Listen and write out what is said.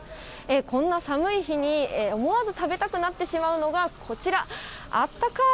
こんな寒い日に思わず食べたくなってしまうのが、こちら、あったかーい